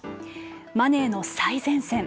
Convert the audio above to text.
マネーの最前線。